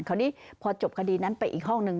คราวนี้พอจบคดีนั้นไปอีกห้องหนึ่ง